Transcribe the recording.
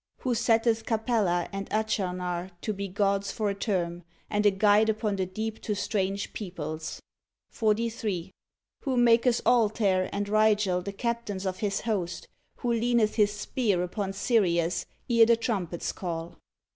Who setteth Capella and Achernar to be gods for a term, and a guide upon the deep to strange peoples ; 43. Who maketh Altair and Rigel the captains of His host; Who leaneth His spear upon Sirius ere the trumpets call; 44.